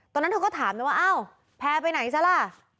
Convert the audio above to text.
ตอนนั้นเขาก็ถามแล้วว่าแพ้ไปไหนซะล่ะ